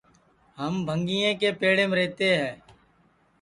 ہم بھنٚگیں کے پیڑیم رہتے ہے